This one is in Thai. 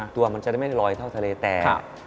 ตัวมันจะได้ไม่ลอยเท่าทะเลแต่